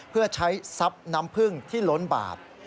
เพื่อใช้ทรัพย์น้ำผึ้งที่ล้นบาท